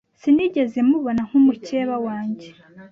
Sinigeze mubona nk’umukeba wanjye